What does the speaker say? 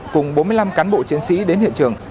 cùng bốn mươi năm cán bộ chiến sĩ đến hiện trường